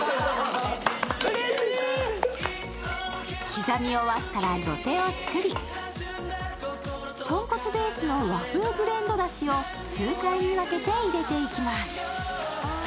刻み終わったら土手を作り、豚骨ベースの和風ブレンドだしを数回に分けて入れていきます。